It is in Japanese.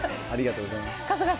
ありがとうございます。